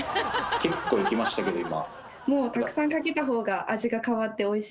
結構いきましたけど今。